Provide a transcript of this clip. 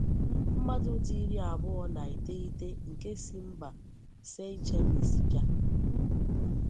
Mmadụ dị iri abụọ na iteghete nke si mba Seychelles bịa